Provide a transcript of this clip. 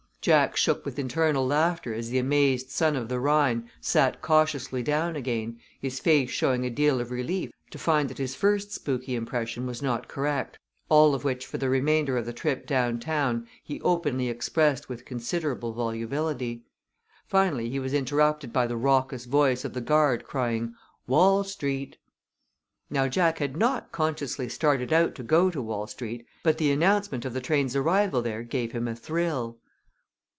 Jack shook with internal laughter as the amazed son of the Rhine sat cautiously down again, his face showing a deal of relief to find that his first spooky impression was not correct, all of which for the remainder of the trip down town he openly expressed with considerable volubility. Finally he was interrupted by the raucous voice of the guard crying: "Wall Street!" Now Jack had not consciously started out to go to Wall Street, but the announcement of the train's arrival there gave him a thrill.